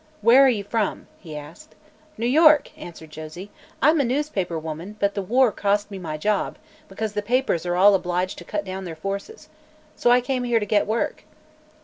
"Where are you from?" he asked. "New York," answered Josie. "I'm a newspaper woman, but the war cost me my job, because the papers are all obliged to cut down their forces. So I came here to get work."